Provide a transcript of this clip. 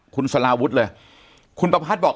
คุณสลาวุธเลยคุณปภัทรบอก